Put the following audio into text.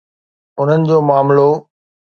انهن جو معاملو؟